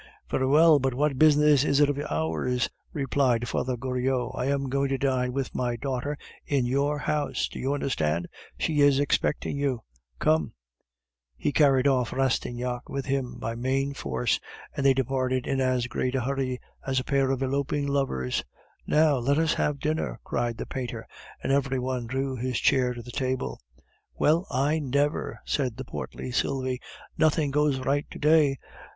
"Very well, but what business is it of ours?" replied Father Goriot. "I am going to dine with my daughter in your house, do you understand? She is expecting you. Come!" He carried off Rastignac with him by main force, and they departed in as great a hurry as a pair of eloping lovers. "Now, let us have dinner," cried the painter, and every one drew his chair to the table. "Well, I never," said the portly Sylvie. "Nothing goes right to day!